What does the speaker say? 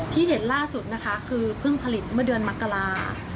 เห็นล่าสุดนะคะคือเพิ่งผลิตเมื่อเดือนมกรา